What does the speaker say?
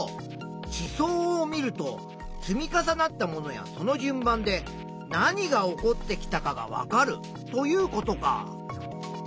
地層を見ると積み重なったものやその順番で何が起こってきたかがわかるということか。